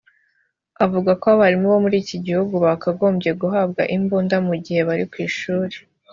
avuga ko abarimu bo muri iki gihugu bakagombye guhabwa imbunda mu gihe bari ku ishuli